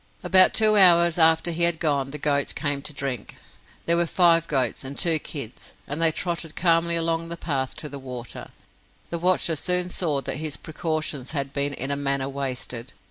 About two hours after he had gone, the goats came to drink. There were five goats and two kids, and they trotted calmly along the path to the water. The watcher soon saw that his precautions had been in a manner wasted.